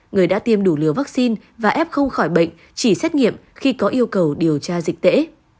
người đã tiêm đủ liều vaccine và f không khỏi bệnh chỉ xét nghiệm khi có yêu cầu điều tra dịch tễ